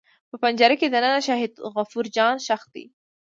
په پنجره کې دننه شهید غفور جان ښخ دی.